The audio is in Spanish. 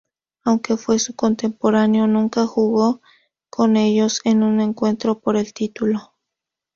Aunque fue su contemporáneo, nunca jugó con ellos en un encuentro por el título.